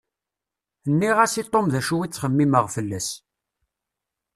Nniɣ-as i Tom d acu i ttxemmimeɣ fell-as.